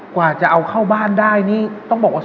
กว่าจะเอาเข้าบ้านได้นี่ต้องบอกว่า